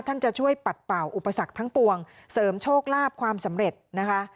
จะช่วยปัดเป่าอุปสรรคทั้งปวงเสริมโชคลาภความสำเร็จนะคะ